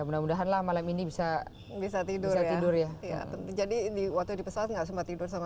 mudah mudahanlah malam ini bisa bisa tidur ya jadi di waktu di pesawat nggak sempat tidur sama